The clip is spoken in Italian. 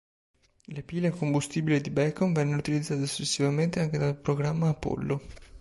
Le pile a combustibile di Bacon vennero utilizzate successivamente anche dal programma Apollo.